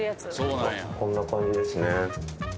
こんな感じですね。